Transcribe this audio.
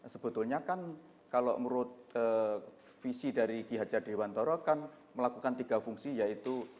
ini kan sebetulnya kan kalau menurut visi dari ki hacadewantara kan melakukan tiga fungsi yaitu